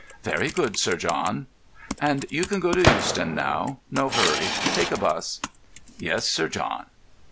"Very good, Sir John." "And you can go to Euston now—no hurry. Take a bus." "Yes, Sir John."